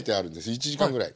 １時間ぐらい。